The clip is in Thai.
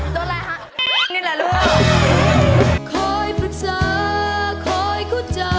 โดนอะไรคะ